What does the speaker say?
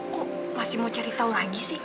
kok masih mau cari tahu lagi sih